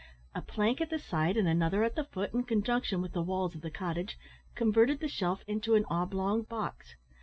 A plank at the side, and another at the foot, in conjunction with the walls of the cottage, converted the shelf into an oblong box.